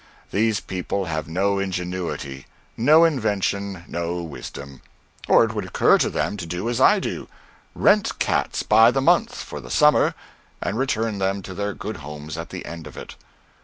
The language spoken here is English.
These people have no ingenuity, no invention, no wisdom; or it would occur to them to do as I do: rent cats by the month for the summer and return them to their good homes at the end of it.